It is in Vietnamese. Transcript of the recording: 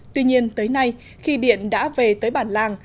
tuy nhiên tới nay khi điện đã về tới bản làng